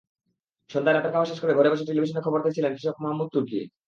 সন্ধ্যায় রাতের খাওয়া শেষ করে ঘরে বসে টেলিভিশনে খবর দেখছিলেন কৃষক মাহমুদ তুরকি।